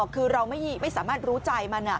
คือเราไม่สามารถรู้ใจมัน